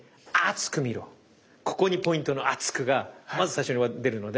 ここにポイントの「熱く」がまず最初に出るので。